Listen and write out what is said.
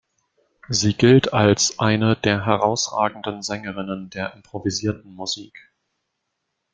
Sie gilt als eine der herausragenden Sängerinnen der Improvisierten Musik.